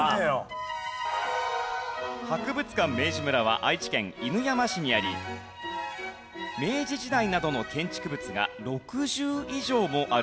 博物館明治村は愛知県犬山市にあり明治時代などの建築物が６０以上もあるんです。